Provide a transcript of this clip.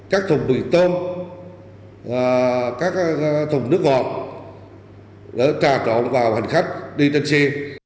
các thùng bụi tôm các thùng nước ngọt để trà trộn vào hành khách đi tân xe